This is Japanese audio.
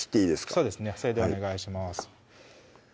そうですねそれでお願いします